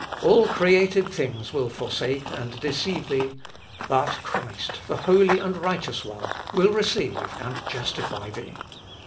All created things will forsake and deceive thee, but Christ, the Holy and Righteous One, will receive and justify thee...."